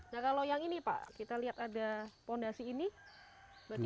nah kalau yang ini pak kita lihat ada fondasi ini berarti